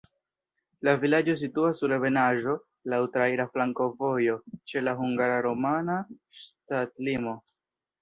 La vilaĝo situas sur ebenaĵo, laŭ traira flankovojo, ĉe la hungara-rumana ŝtatlimo.